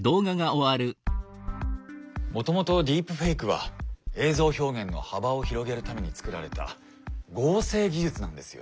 もともとディープフェイクは映像表現の幅を広げるためにつくられた合成技術なんですよ。